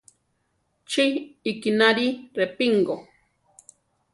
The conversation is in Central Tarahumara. Chi ikínari Repingo.